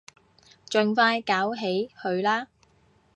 盡快搞起佢啦